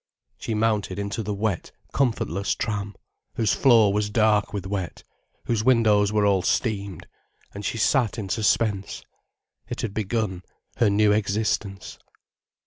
She mounted into the wet, comfortless tram, whose floor was dark with wet, whose windows were all steamed, and she sat in suspense. It had begun, her new existence.